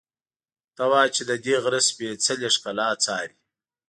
ته وا چې ددې غره سپېڅلې ښکلا څاري.